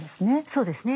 そうですね。